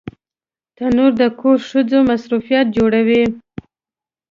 تنور د کور ښځو مصروفیت جوړوي